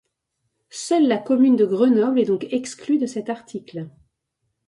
Seule la commune de Grenoble est donc exclue de cet article.